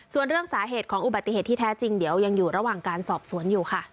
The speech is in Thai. ส่วนเรื่องสาเหตุของอุบัติเหตุที่แท้จริงเดี๋ยวยังอยู่ระหว่างการสอบสวนอยู่ค่ะ